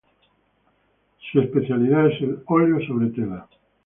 Su especialidad es el óleo sobre tela.